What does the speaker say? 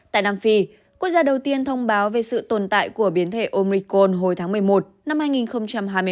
tại nam phi quốc gia đầu tiên thông báo về sự tồn tại của biến thể omicon hồi tháng một mươi một năm hai nghìn hai mươi ba